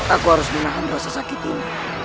aku harus menyelamatkan para penduduk